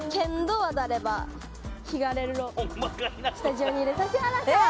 スタジオにいる指原さん